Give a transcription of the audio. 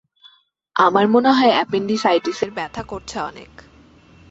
আমার মনে হয় অ্যাপেনডিসাইটিসের ব্যথা করছে অনেক।